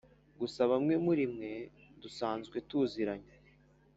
gusa bamwe murimwe dusanzwe tuziranye.